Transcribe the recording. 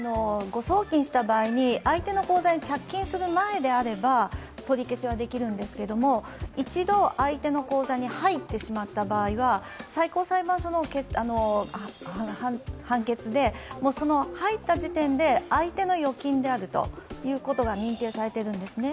誤送金した場合に、相手の口座に着金する前であれば取り消しはできるんですけど一度、相手の口座に入ってしまった場合は最高裁判所の判決で、入った時点で相手の預金であるということが認定されているんですね。